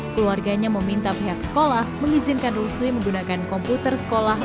keluarganya meminta pihak sekolah mengizinkan rusli menggunakan komputer sekolah